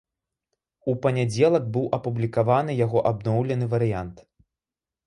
У панядзелак быў апублікаваны яго абноўлены варыянт.